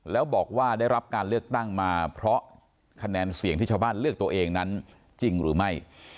แล้วบอกว่าได้รับการเลือกตั้งมาเพราะคะแนนเสียงที่ชาวบ้านเลือกตัวเองนั้นจริงหรือไม่